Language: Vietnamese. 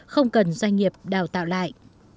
không cần doanh nghiệp đào tạo lại